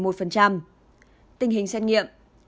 tình hình xét nghiệm